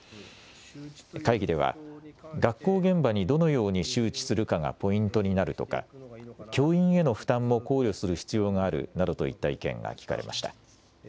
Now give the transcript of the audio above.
会議では学校現場にどのように周知するかがポイントになるとか教員への負担も考慮する必要があるなどといった意見が聞かれました。